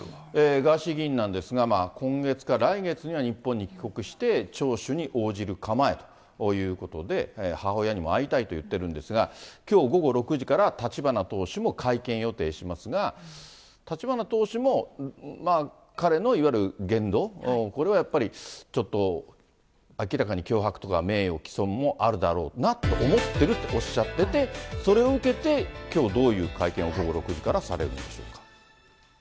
ガーシー議員なんですが、今月か来月には日本に帰国して、聴取に応じる構えということで、母親にも会いたいと言っているんですが、きょう午後６時から立花党首も会見予定しますが、立花党首も、まあ、彼のいわゆる言動、これはやっぱりちょっと明らかに脅迫とか名誉毀損もあるだろうなと思ってるっておっしゃってて、それを受けて、きょう、どういう会見を午後６時からされるんでしょうか。